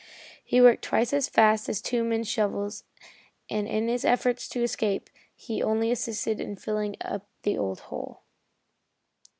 He worked twice as fast as two men with shovels, and in his efforts to escape he only assisted in filling up the old hole.